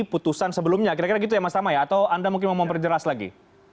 putusan sebelumnya kira kira gitu ya mas tama ya atau anda mungkin mau memperjelas lagi